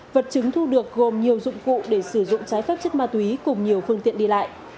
vật chứng thu được gồm nhiều dụng cụ để sử dụng trái phép chất ma túy cùng nhiều phương tiện đi lại